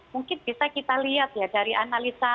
mungkin bisa kita lihat ya dari analisa